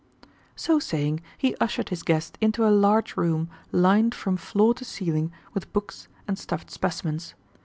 So saying, he ushered his guest into a large room lined from floor to ceiling with books and stuffed specimens.